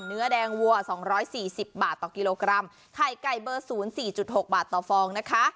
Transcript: เนื้อแดงวัวสองร้อยสี่สิบบาทต่อกิโลกรัมไข่ไก่เบอร์ศูนย์สี่จุดหกบาทต่อฟองนะคะ